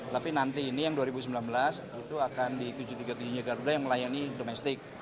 tapi nanti ini yang dua ribu sembilan belas itu akan di tujuh ratus tiga puluh tujuh nya garuda yang melayani domestik